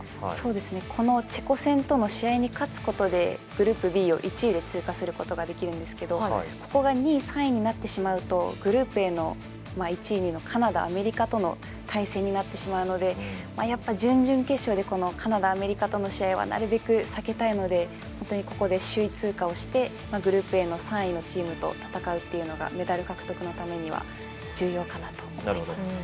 このチェコ戦との試合に勝つことでグループＢを１位で通過することができるんですけどここが２位３位になってしまうとグループＡの１位、２位のカナダ、アメリカとの対戦になってしまうのでやっぱ準々決勝で、このカナダ、アメリカとの試合はなるべく避けたいのでここで首位通過してグループＡの３位のチームと戦うというのがメダル獲得のためには重要かなと思います。